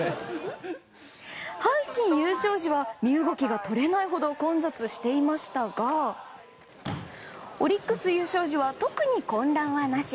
阪神優勝時は身動きが取れないほど混雑していましたがオリックス優勝時は特に混乱はなし。